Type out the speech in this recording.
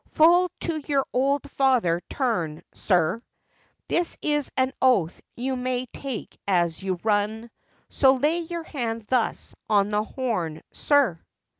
Full to your old father turn, sir; This is an oath you may take as you run, So lay your hand thus on the horn, sir.